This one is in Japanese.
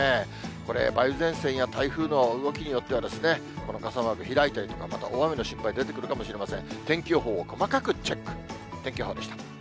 これ、梅雨前線や台風の動きによっては、この傘マーク、開いたりとか、また大雨の心配出てくるかもしれません。